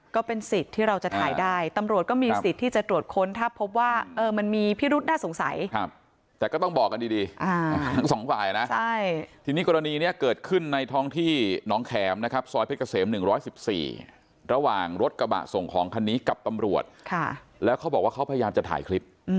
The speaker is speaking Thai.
ก็เป็นสิทธิ์ที่เราจะถ่ายได้ตำรวจก็มีสิทธิ์ที่จะตรวจค้นถ้าพบว่ามันมีพิรุษน่าสงสัยแต่ก็ต้องบอกกันดีทั้งสองฝ่ายนะทีนี้กรณีนี้เกิดขึ้นในท้องที่น้องแขมนะครับซอยเพชรเกษม๑๑๔ระหว่างรถกระบะส่งของคันนี้กับตำรวจแล้วเขาบอกว่าเขาพยายามจะถ่ายคลิป